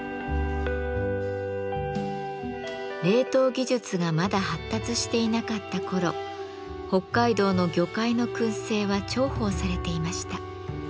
冷凍技術がまだ発達していなかった頃北海道の魚介の燻製は重宝されていました。